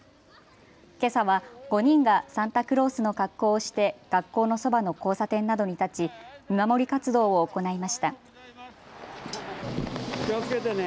けさは５人がサンタクロースの格好をして学校のそばの交差点などに立ち、見守り活動を行いました。